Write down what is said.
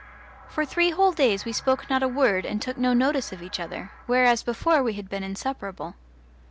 For three whole days we spoke not a word and took no notice of each other, whereas before we had been inseparable.